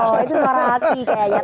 oh itu suara hati kayaknya